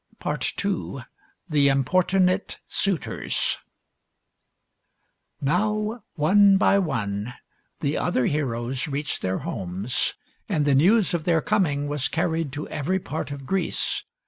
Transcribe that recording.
II. THE IMPORTUNATE SUITORS Now, one by one, the other heroes reached their homes, and the news of their coming was carried PENELOPE'S WEB Ijg to every part of Greece.